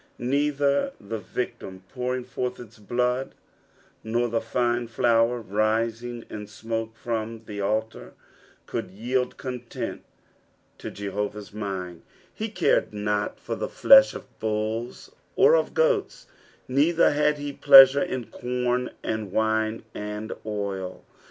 Neither the victim pouring forth its blood, nor the fine flour rising in smoke from tbo altar, could yield content to Jehovah's mind \ he cured not for the flesh of bulls or of goats, neither had he pleasure in corn and wine, and oil.